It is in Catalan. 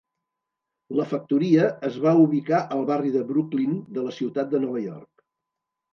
La factoria es va ubicar al barri de Brooklyn de la ciutat de Nova York.